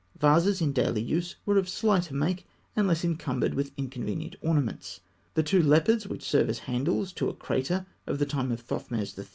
Vases in daily use were of slighter make and less encumbered with inconvenient ornaments. The two leopards which serve as handles to a crater of the time of Thothmes III.